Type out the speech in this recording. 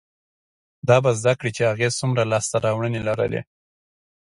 دا به زده کړي چې هغې څومره لاسته راوړنې لرلې،